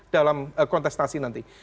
dalam kontestasi nanti